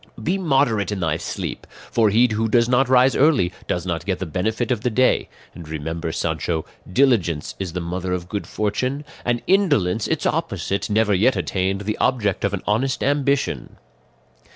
"Be moderate in thy sleep; for he who does not rise early does not get the benefit of the day; and remember, Sancho, diligence is the mother of good fortune, and indolence, its opposite, never yet attained the object of an honest ambition.